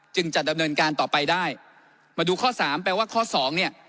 จะดำเนินการต่อไปได้มาดูข้อสามแปลว่าข้อสองเนี่ย